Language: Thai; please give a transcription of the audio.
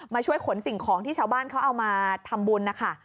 ช่วยขนสิ่งของที่ชาวบ้านเขาเอามาทำบุญนะคะ